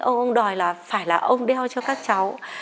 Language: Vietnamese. ông đòi là phải là ông đeo cho các cháu